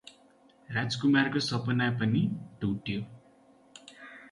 राजकुमारको सपना पनि टुट्यो ।